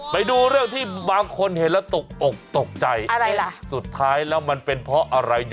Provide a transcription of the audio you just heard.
ไปดูเรื่องที่บางคนเห็นแล้วตกอกตกใจอะไรล่ะสุดท้ายแล้วมันเป็นเพราะอะไรอยู่